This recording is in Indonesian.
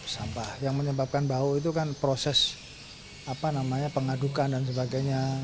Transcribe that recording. sampah yang menyebabkan bau itu kan proses pengadukan dan sebagainya